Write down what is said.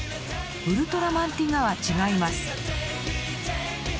ウルトラマンティガは違います。